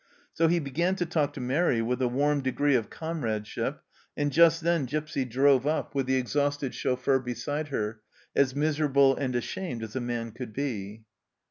So he began to talk to Mairi with a warm degree of comradeship, and just then Gipsy drove up, with the exhausted chauffeur beside her, as miserable and ashamed as a man could be.